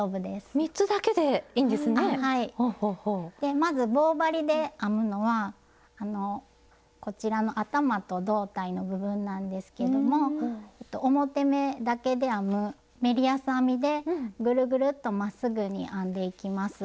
まず棒針で編むのはこちらの頭と胴体の部分なんですけども表目だけで編むメリヤス編みでぐるぐるっとまっすぐに編んでいきます。